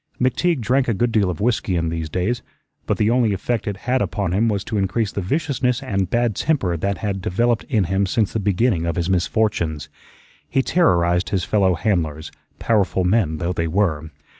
McTeague drank a good deal of whiskey in these days, but the only effect it had upon him was to increase the viciousness and bad temper that had developed in him since the beginning of his misfortunes. He terrorized his fellow handlers, powerful men though they were.